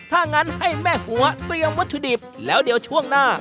ถ้างั้นให้แม่หัวเตรียมวัตถุดิบแล้วเดี๋ยวช่วงหน้า